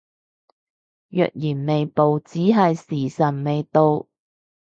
若然未報只係時辰未到